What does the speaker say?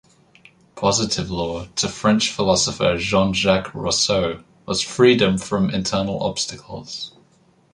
Positive law, to French philosopher Jean-Jacques Rousseau, was freedom from internal obstacles.